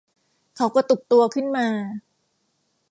เขากระตุกตัวขึ้นมา